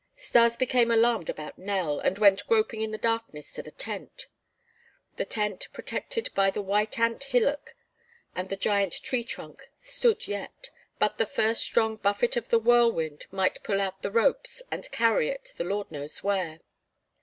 Stas became alarmed about Nell and went groping in the darkness to the tent. The tent, protected by the white ant hillock and the giant tree trunk, stood yet, but the first strong buffet of the whirlwind might pull out the ropes and carry it the Lord knows where.